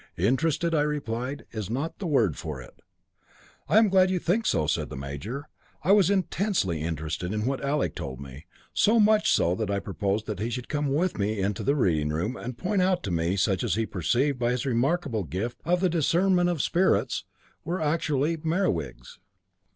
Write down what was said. "Interested," I replied, "is not the word for it." "I am glad you think so," said the major; "I was intensely interested in what Alec told me, so much so that I proposed he should come with me into the reading room, and point out to me such as he perceived by his remarkable gift of discernment of spirits were actual Merewigs.